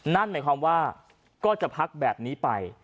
นั่นหมายความว่าก็จะพักแบบนี้ไป